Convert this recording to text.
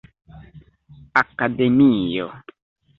akademio